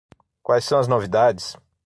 Quais são as novidades?